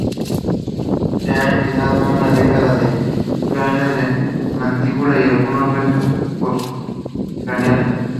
Se han hallado una decena de cráneos con mandíbula y algunos restos postcraneales.